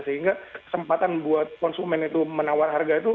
sehingga kesempatan buat konsumen itu menawar harga itu